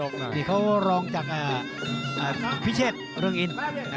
เขาลงจากพิเศษเรื่องอิน